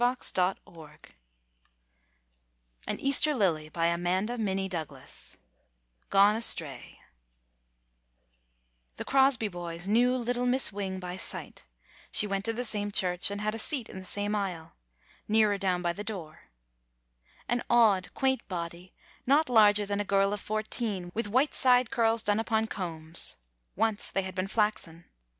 [ 95 ] GONE ASTRAY GONE ASTRAY GONE ASTRAY T he Crosby boys knew little Miss Wing by sight — she went to the same church, and had a seat in the same aisle, nearer down by the door. An odd, quaint body, not larger than a girl of fourteen, with white side curls done upon combs — once they had been flaxen.